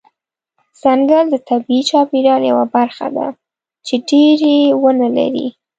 ځنګل د طبیعي چاپیریال یوه برخه ده چې ډیری ونه لري.